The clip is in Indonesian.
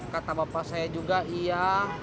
kata bapak saya juga iya